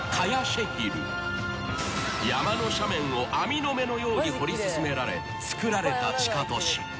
［山の斜面を網の目のように掘り進められつくられた地下都市］